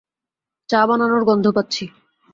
চা বানানোর গন্ধ পাচ্ছি।